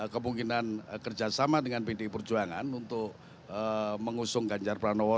kemungkinan kerjasama dengan pdi perjuangan untuk mengusung ganjar pranowo